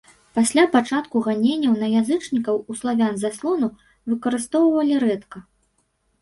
Пасля пачатку ганенняў на язычнікаў у славян заслону выкарыстоўвалі рэдка.